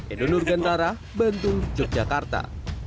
edo nurgentara bantung yogyakarta